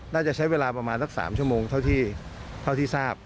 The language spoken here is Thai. น่าจะใช้เวลาประมาณสัก๓ชั่วโมงเท่าที่ทราบ